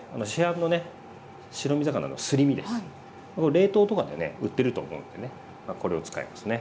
冷凍とかでね売ってると思うんでねこれを使いますね。